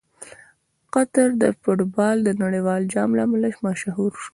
قطر د فټبال د نړیوال جام له امله مشهور شو.